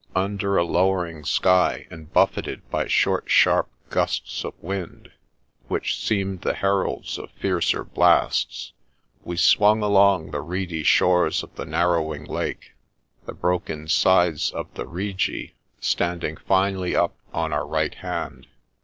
Under a lowering sky, and buffeted by short, sharp g^sts of wind, which seemed the heralds of fiercer blasts, we swung along the reedy shores of the narrowing lake, the broken sides of the Rigi standing finely up on our right hand.